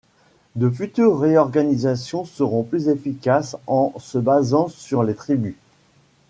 De futures réorganisations seront plus efficaces en se basant sur les tribus.